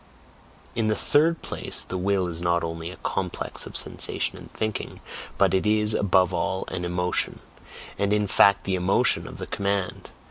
In the third place, the will is not only a complex of sensation and thinking, but it is above all an EMOTION, and in fact the emotion of the command.